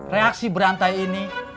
reaksi berantai ini